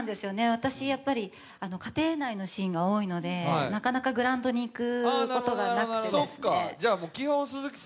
私は家庭内のシーンが多いので、なかなかグラウンドに行くことがなくてですね。